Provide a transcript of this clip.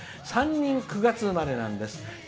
３人９月生まれなんです。